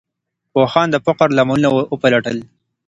پوهانو د فقر لاملونه وپلټل.